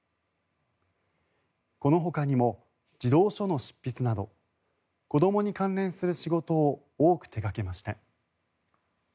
このほかにも児童書の執筆など子どもに関連する仕事を多く手掛けました。